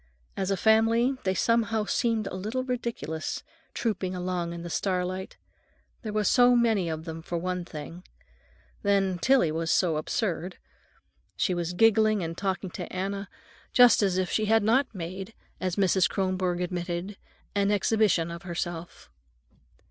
As a family, they somehow seemed a little ridiculous, trooping along in the starlight. There were so many of them, for one thing. Then Tillie was so absurd. She was giggling and talking to Anna just as if she had not made, as even Mrs. Kronborg admitted, an exhibition of herself.